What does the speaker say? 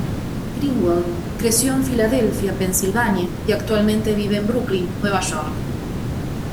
Greenwald creció en Filadelfia, Pensilvania, y actualmente vive en Brooklyn, Nueva York.